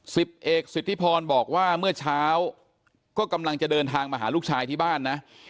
สิบเอกสิทธิพรบอกว่าเมื่อเช้าก็กำลังจะเดินทางมาหาลูกชายที่บ้านนะ